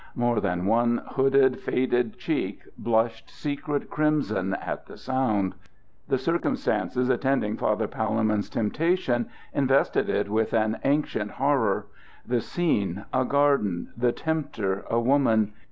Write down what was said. More than one hooded, faded cheek blushed secret crimson at the sound. The circumstances attending Father Palemon's temptation invested it with an ancient horror. The scene, a garden; the tempter, a woman.